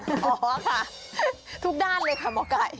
หมอค่ะทุกด้านเลยค่ะหมอไก่